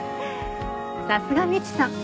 さすが未知さん。